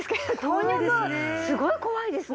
糖尿病すごい怖いですね